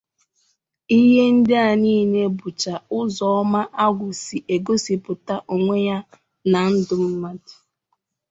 Ihe ndị a niile bụcha ụzọ ọma agwụ si egosipụta onwe ya na ndụ mmadụ